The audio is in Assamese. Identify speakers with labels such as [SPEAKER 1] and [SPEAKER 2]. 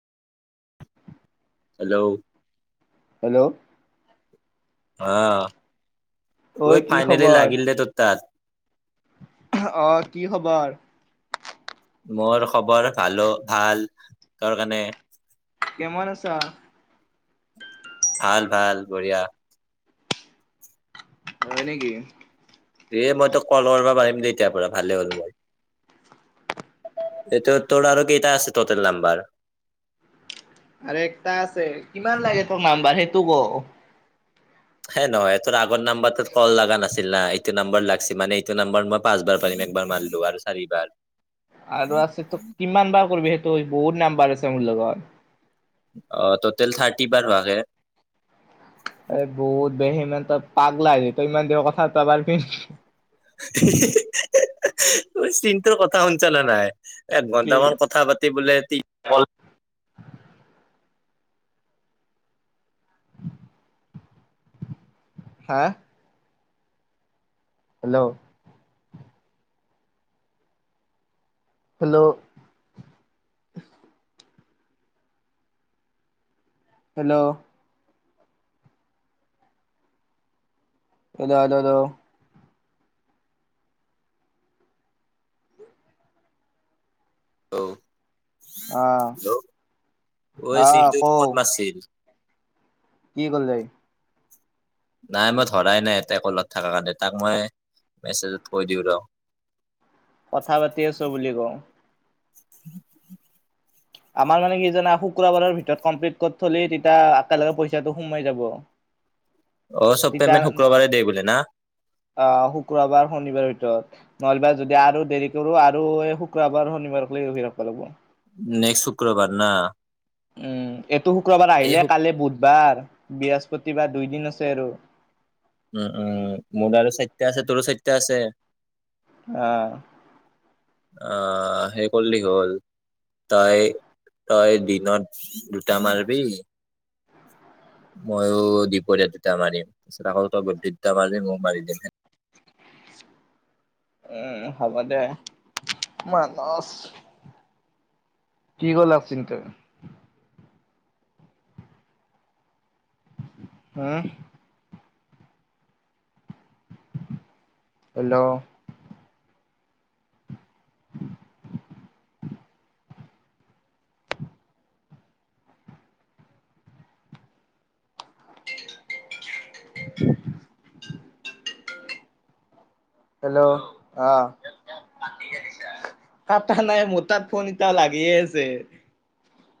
[SPEAKER 1] হেল্ল'।
[SPEAKER 2] হেল্ল'। ঐ
[SPEAKER 1] আহ। ফাইনেল লাগিল দে তোৰ তাত।
[SPEAKER 2] আহ কি খবৰ?
[SPEAKER 1] মোৰ খবৰ ভালো ভাল, তাৰ কাৰণে
[SPEAKER 2] কেমানমান আছা?
[SPEAKER 1] ভাল ভাল বঢ়িয়া।
[SPEAKER 2] হয় নেকি?
[SPEAKER 1] এ মই তোক কল কৰিব পাৰিম দে এতিয়াৰ পৰা, ভালেই হ'ল মই এইটো তোৰ আৰু কেইটা আছে টটেল নাম্বাৰ?
[SPEAKER 2] আৰু একটা আছে কিমান লাগে তোক নাম্বাৰ সেইটো ক।
[SPEAKER 1] হে নহয় তোৰ আগৰ নাম্বাৰত কল লগা নাছিল না এইটো নম্বাৰ লাগিছে, মানে এইটো নম্বাৰ মই পাঁচবাৰ পাৰিম একবাৰ মাৰিলো আৰু চাৰিবাৰ।
[SPEAKER 2] আৰু আছে তোক কিমান বাৰ কৰিবি সেইটো বহুত নম্বৰ আছে মোৰ লগত।
[SPEAKER 1] অ' টোটেল থাৰ্টি বাৰ হোৱা কে।
[SPEAKER 2] এই বহুত ইমান তই পাগলাহ হৈ তই ইমান দিনৰ কথা প পাৰ পিন
[SPEAKER 1] চিন্তৰ কথা শুনিছ নে নাই? এ
[SPEAKER 2] কি
[SPEAKER 1] ঘন্টামান কথা পাতি বোলে অ'।
[SPEAKER 2] হা হেল্ল'। হেল্ল'। হেল্ল'। এ হাল [unintelligible]
[SPEAKER 1] হেল্ল'।
[SPEAKER 2] অ
[SPEAKER 1] হেল্ল'
[SPEAKER 2] অ
[SPEAKER 1] ঐ চিন্তু
[SPEAKER 2] কও
[SPEAKER 1] ক'ত মাছিল?
[SPEAKER 2] কি কলে?
[SPEAKER 1] নাই মই ধৰাই নাই ইয়াতে কলত থকা কাৰণে তাক মই মেছেজত কৈ দিওঁ ৰহ।
[SPEAKER 2] কথা পাতি আছোঁ বুলি ক।
[SPEAKER 1] উ [unintelligible]
[SPEAKER 2] আমাৰ মানে কি জানা শুক্ৰবাৰৰ ভিতৰত কমপ্লিট কৰি থলি তেতিয়া একেলগে পইচাটো সোমাই যাব।
[SPEAKER 1] অ' চ'ব পেমেণ্ট শুক্ৰবাৰে দে বোলে না?
[SPEAKER 2] অ' শুক্ৰবাৰ শনিবাৰৰ ভিতৰত, নহলিবা যদি আৰু দেৰি কৰো আৰু এই শুক্ৰবাৰ শনিবাৰক লগি ৰাখিব লাগিব।
[SPEAKER 1] নেক্সট শুক্ৰবাৰ না।
[SPEAKER 2] উম। এইটো শুক্ৰবাৰ
[SPEAKER 1] এই
[SPEAKER 2] আহিলে
[SPEAKER 1] শু
[SPEAKER 2] কাললৈ বুধবাৰ বৃহস্পতিবাৰ দুই দিন আছে আৰু
[SPEAKER 1] উম উম মোৰ ত আৰু চাৰটা আছে তোৰো চৰিটা আছে
[SPEAKER 2] আহ
[SPEAKER 1] আহ সেই কৰিলে হল তই তই দিনত দুটা মাৰিবি মইো দুপৰীয়া দুটা মাৰিম তাৰপিছত আকৌ তই গদ্ধি দুটা মাৰি ময় মাৰি দিম হে
[SPEAKER 2] উ হবা দে মানস কি ক'লপ চিন্ত [unintelligible] হুম। হেল্ল'। [unintelligible] হেল্ল' আহ পা নাই মোৰ তাত ফোন এতিয়া লাগিয়ে আছে।